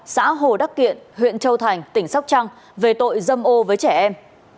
xã hồ đắc kiện huyện châu thành tỉnh sóc trăng về tội dâm ô với trẻ em